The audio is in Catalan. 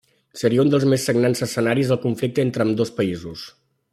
Seria un dels més sagnants escenaris del conflicte entre ambdós països.